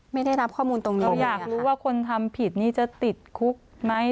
ไม่ได้รับข้อมูลตรงนี้เราอยากรู้ว่าคนทำผิดนี้จะติดคุกไหม